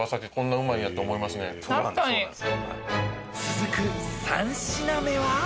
［続く３品目は？］